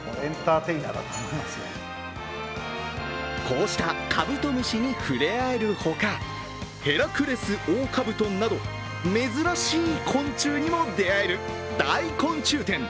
こうしたカブトムシに触れ合えるほか、ヘラクレスオオカブトなど珍しい昆虫にも出会える大昆虫展。